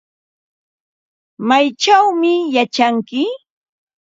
¿Maychawmi yachanki?